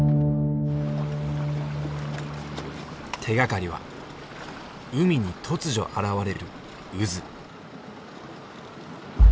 手がかりは海に突如現れる渦。